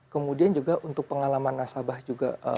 kemudian juga untuk pengalaman nasabah juga